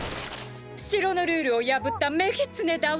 城のルールを破った女ギツネだわ！